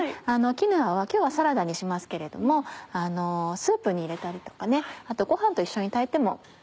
キヌアは今日はサラダにしますけれどもスープに入れたりとかご飯と一緒に炊いても。